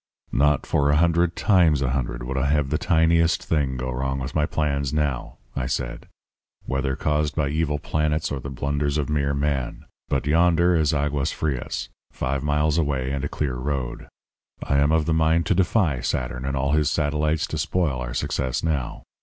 "'Not for a hundred times a hundred would I have the tiniest thing go wrong with my plans now,' I said, 'whether caused by evil planets or the blunders of mere man. But yonder is Aguas Frias, five miles away, and a clear road. I am of the mind to defy Saturn and all his satellites to spoil our success now.